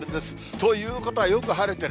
ということは、よく晴れてる。